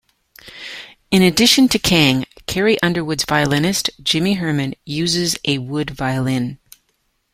In addition to Kang, Carrie Underwood's violinist, Jimmy Herman, uses a Wood Violin.